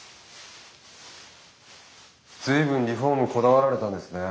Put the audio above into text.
随分リフォームこだわられたんですね。